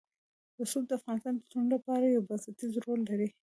رسوب د افغانستان د ټولنې لپاره یو بنسټيز رول لري.